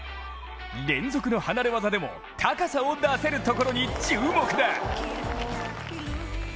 連続の離れ技でも高さを出せるところに注目だ。